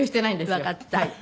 わかった。